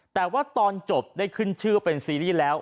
แต่ว่าตอนจบได้ขึ้นชื่อเป็นซีรีส์แล้ว